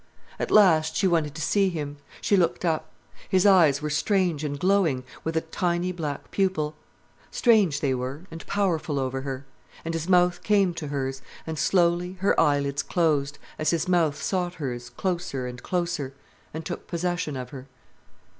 At last she wanted to see him. She looked up. His eyes were strange and glowing, with a tiny black pupil. Strange, they were, and powerful over her. And his mouth came to hers, and slowly her eyelids closed, as his mouth sought hers closer and closer, and took possession of her.